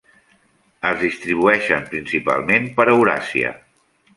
Es distribueixen principalment per Euràsia.